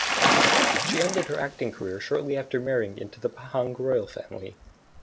She ended her acting career shortly after marrying into the Pahang royal family.